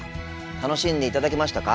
楽しんでいただけましたか？